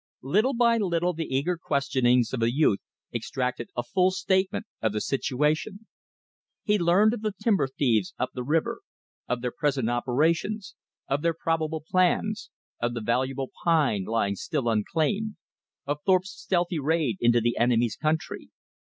Little by little the eager questionings of the youth extracted a full statement of the situation. He learned of the timber thieves up the river, of their present operations; and their probable plans; of the valuable pine lying still unclaimed; of Thorpe's stealthy raid into the enemy's country.